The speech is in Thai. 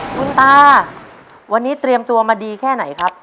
คุณตาวันนี้เตรียมตัวมาดีแค่ไหนครับ